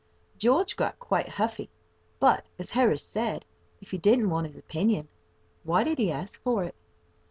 George got quite huffy; but, as Harris said, if he didn't want his opinion, why did he ask for it?